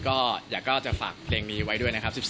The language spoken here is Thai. ก็อยากก็จะฝากเพลงนี้ไว้ด้วยนะครับ